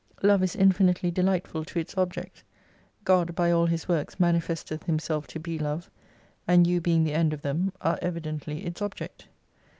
Love is infinitely delightful to its object, God by all His works manifest eth Himself to be Love, and you being the end of them, are evidently its object.